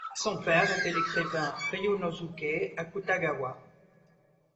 Son père était l'écrivain Ryūnosuke Akutagawa.